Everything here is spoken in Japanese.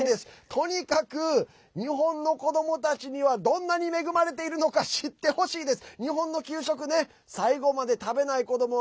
とにかく日本の子どもたちにはどんなに恵まれているのか知ってほしいです。